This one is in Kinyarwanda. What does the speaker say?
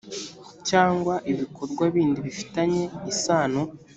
cyangwa ibikorwa bindi bifitanye isano